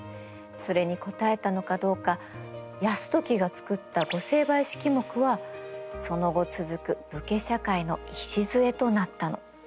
それに答えたのかどうか泰時が作った御成敗式目はその後続く武家社会の礎となったの。